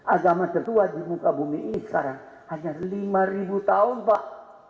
agama tertua di muka bumi ini sekarang hanya lima tahun pak